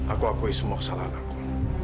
aku akui semua kesalahan aku